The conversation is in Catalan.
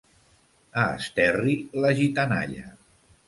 A Esterri, la gitanalla.